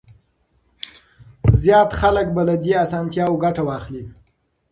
زيات خلک به له دې اسانتياوو ګټه واخلي.